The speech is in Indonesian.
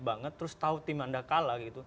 banget terus tahu tim anda kalah gitu